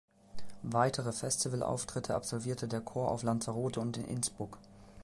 Weitere Festivalauftritte absolvierte der Chor auf Lanzarote und in Innsbruck.